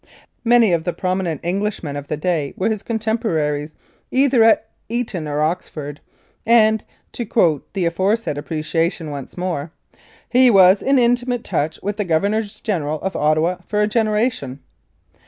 Many of the pro minent Englishmen of the day were his contemporaries, either at Eton or Oxford, and (to quote the aforesaid "appreciation" once more) "He was in intimate touch with the Governors General of Ottawa for a generation."